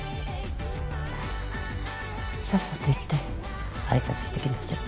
さっさと行って挨拶してきなさい。